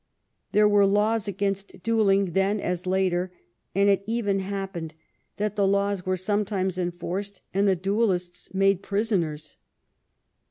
There were laws against duelling then as later, and it even happened that the laws were sometimes enforced and the duellists made prisoners.